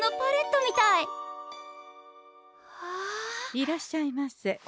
いらっしゃいませ。